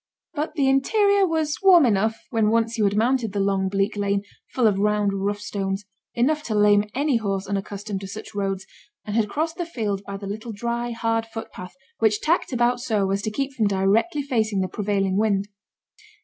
But the interior was warm enough when once you had mounted the long bleak lane, full of round rough stones, enough to lame any horse unaccustomed to such roads, and had crossed the field by the little dry, hard footpath, which tacked about so as to keep from directly facing the prevailing wind.